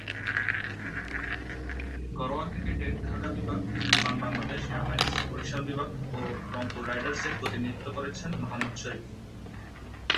ঘরোয়া ক্রিকেটে ঢাকা বিভাগ, বিমান বাংলাদেশ এয়ারলাইন্স, বরিশাল বিভাগ ও রংপুর রাইডার্সের প্রতিনিধিত্ব করেছেন মোহাম্মদ শরীফ।